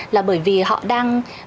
là bởi vì họ đang